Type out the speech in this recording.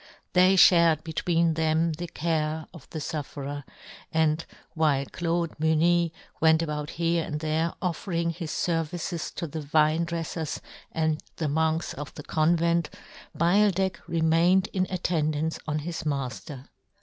They fhared be tween them the care of the fufferer, and while Claude Mufny went about here and there offering his fervices to the vine dreflers, and the monks of the convent, Beildech remained in attendance on his mafter.